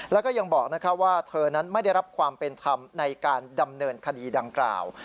แล้วก็ยังบอกว่าเธอนั้นไม่ได้รับความเป็นธรรมในการดำเนินคดีดังกล่าว